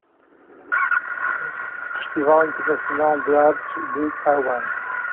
Festival Internacional de Artes de Taiwan